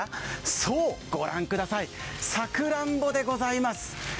そう、御覧ください、さくらんぼでございます。